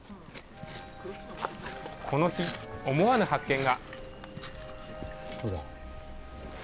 この日、思わぬ発見が。